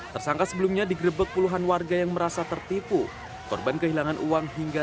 tersangka sebelumnya digrebek puluhan warga yang merasa tertipu korban kehilangan uang hingga